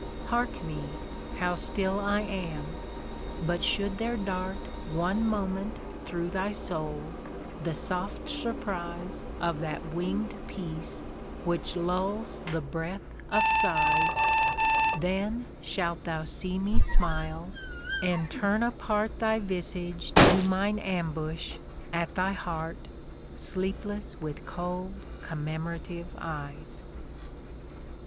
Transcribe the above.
Hark me, how still I am ! But should there dart One moment through thy soul the soft surprise Of that winged Peace which lulls the breath of sighs, — Then shalt thou see me smile, and turn apart Thy visage to mine ambush at thy heart ^ Sleepless with cold commemorative eyes.